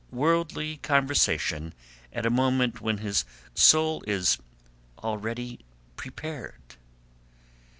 Worldly conversation at a moment when his soul is already prepared..."